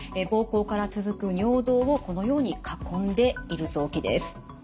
膀胱から続く尿道をこのように囲んでいる臓器です。